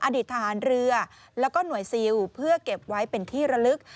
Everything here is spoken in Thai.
อดีตทหารเรือแล้วก็หน่วยซิลเพื่อเก็บไว้เป็นที่ระลึก